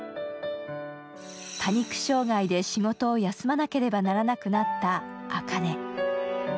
パニック障害で仕事を休まなければならなくなった茜。